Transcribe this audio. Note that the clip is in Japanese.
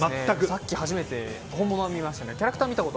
さっき初めて本物は見ました。